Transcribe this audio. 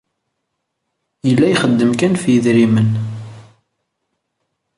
Yella ixeddem kan ɣef yedrimen.